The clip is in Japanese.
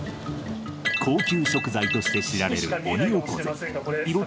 高級食材として知られるオニオコゼ。